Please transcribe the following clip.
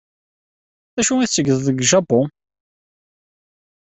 D acu ay tettgeḍ deg Japun?